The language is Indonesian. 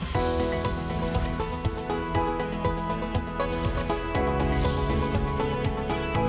south korea berkarier dengan burma